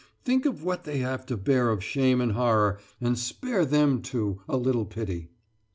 Think of what they have to bear of shame and horror, and spare them, too, a little pity!"